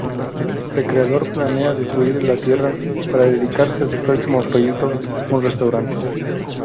El creador planea destruir la Tierra para dedicarse a su próximo proyecto: un restaurante.